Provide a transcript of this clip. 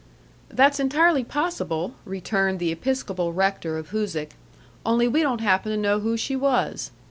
"That's entirely possible," returned the Episcopal rector of Hoosic, "only we don't happen to know who she was."